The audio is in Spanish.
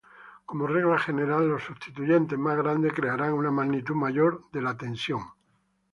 Como regla general, los sustituyentes más grandes crearán una magnitud mayor de la tensión.